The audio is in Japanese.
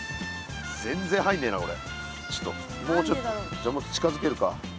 じゃあもっと近づけるか。